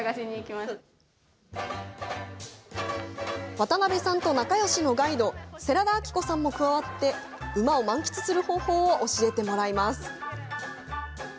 渡邉さんと仲よしのガイド世良田明呼さんも加わって、馬を満喫する方法を教えてもらいます。